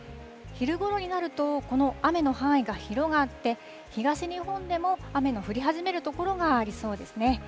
昼ごろになると、この雨の範囲が広がって、東日本でも雨の降り始める所がありそうですね。